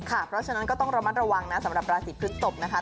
เพราะฉะนั้นก็ต้องระมัดระวังนะสำหรับราศีพฤกษกนะคะ